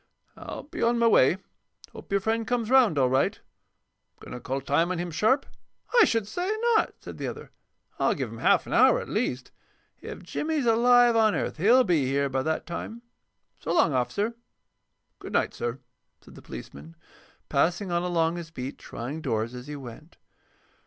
"I'll be on my way. Hope your friend comes around all right. Going to call time on him sharp?" "I should say not!" said the other. "I'll give him half an hour at least. If Jimmy is alive on earth he'll be here by that time. So long, officer." "Good night, sir," said the policeman, passing on along his beat, trying doors as he went.